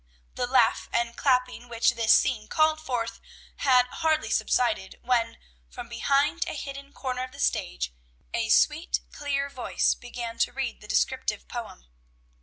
The laugh and clapping which this scene called forth had hardly subsided when, from behind a hidden corner of the stage, a sweet, clear voice began to read the descriptive poem.